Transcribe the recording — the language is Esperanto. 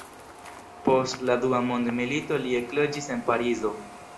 Post la dua mondmilito li ekloĝis en Parizo.